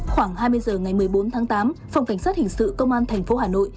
khoảng hai mươi h ngày một mươi bốn tháng tám phòng cảnh sát hình sự công an thành phố hà nội